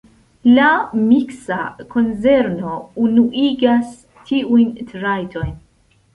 La miksa konzerno unuigas tiujn trajtojn.